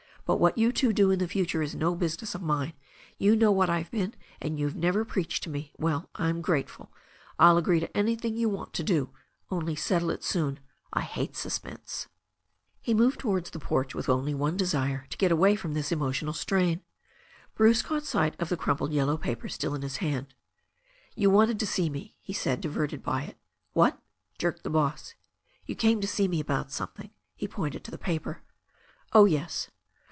But what you two do in the future is no business of mine. You know what I've been, and you've never preached to me. Well, I'm grateful. I'll agree to anything you want to do. Only settle it soon. I hate sus pense." 378 THE STORY OF A NEW ZEALAND RIVER He moved towards the porch with only one desire — to get away from this emotional strain. Bruce caught sight of the crumpled yellow paper, still in his hand. "You wanted to see me," he said, diverted by it. "What?" jerked the boss. "You came to see me about something." He pointed to the paper. "Oh, yes."